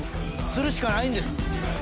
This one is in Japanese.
するしかないんです！